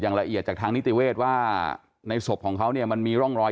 ละเอียดจากทางนิติเวศว่าในศพของเขาเนี่ยมันมีร่องรอย